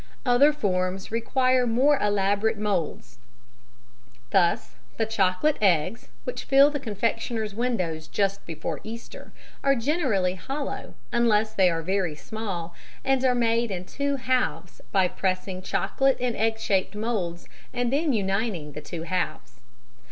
Other forms require more elaborate moulds; thus the chocolate eggs, which fill the confectioners' windows just before Easter, are generally hollow, unless they are very small, and are made in two halves by pressing chocolate in egg shaped moulds and then uniting the two halves.